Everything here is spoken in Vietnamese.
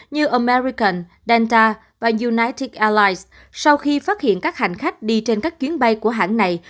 như american delta và unitic airlines sau khi phát hiện các hành khách đi trên các chuyến bay của hãng này